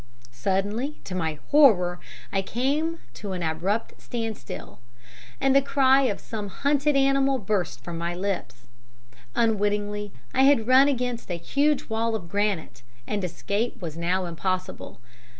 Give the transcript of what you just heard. "Suddenly, to my horror, I came to an abrupt standstill, and the cry of some hunted animal burst from my lips. Unwittingly I had run against a huge wall of granite, and escape was now impossible.